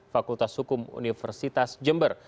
fakultas hukum universitas jember